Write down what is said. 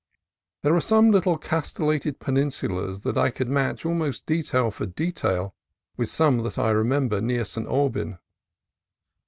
There are some little castel lated peninsulas that I could match almost detail for detail with some that I remember near St. Aubyn.